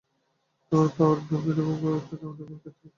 তোমার power, domain, পারে তোমার দানবীয় ক্ষেত্রকে বিস্তৃত করতে।